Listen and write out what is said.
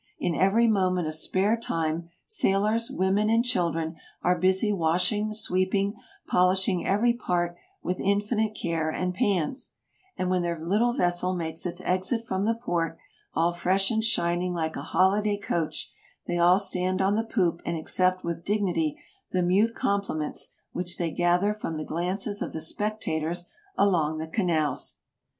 In every mo ment of spare time sailors, women, and children are busy washing, sweeping, polishing every part with infinite care and pains ; and when their little vessel makes its exit from the port, all fresh and shining like a holiday coach, they all stand on the poop and accept with dignity the mute com pliments which they gather from the glances of the spectators along the canals.